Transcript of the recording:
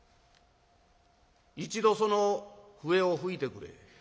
「一度その笛を吹いてくれ。